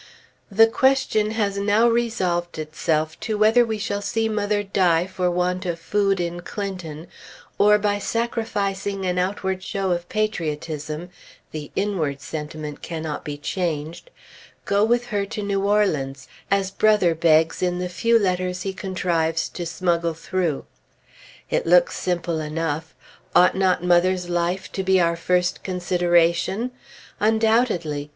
The question has now resolved itself to whether we shall see mother die for want of food in Clinton, or, by sacrificing an outward show of patriotism (the inward sentiment cannot be changed), go with her to New Orleans, as Brother begs in the few letters he contrives to smuggle through. It looks simple enough. Ought not mother's life to be our first consideration? Undoubtedly!